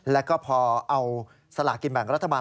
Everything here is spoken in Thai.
แล้วก็พอเอาสลากกินแบ่งรัฐบาล